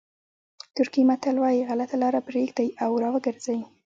ترکي متل وایي غلطه لاره پرېږدئ او را وګرځئ.